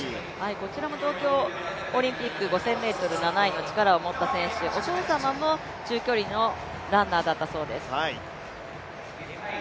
こちらも東京オリンピック５０００ｍ、７位の力を持った選手、お父様も中距離のランナーだったそうです。